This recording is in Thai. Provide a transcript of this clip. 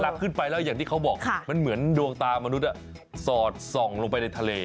ขึ้นไปแล้วอย่างที่เขาบอกมันเหมือนดวงตามนุษย์สอดส่องลงไปในทะเล